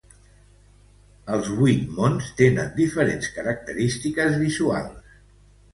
Els vuit mons tenen diferents característiques visuals.